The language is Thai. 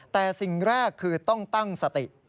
แต่สิ่งแรกคือต้องตั้งสติ